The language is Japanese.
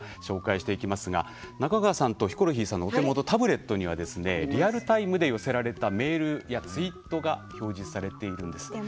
中川さんとヒコロヒーさんがお持ちのタブレットにはリアルタイムで寄せられたメールやツイートが表示されています。